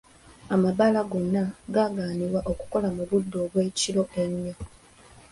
Amabbaala gonna gaaganibwa okukola mu budde obw'ekiro ennyo.